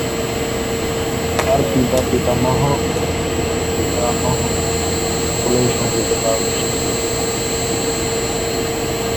তার পিতা, পিতামহ এবং প্রপিতামহ সকলেই সংগীতে পারদর্শী ছিলেন।